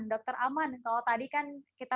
dokter aman kalau tadi kan kita